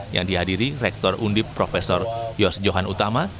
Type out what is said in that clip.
yang dihadiri rektor undip prof yos johan utama